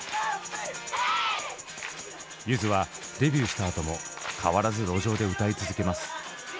ゆずはデビューしたあとも変わらず路上で歌い続けます。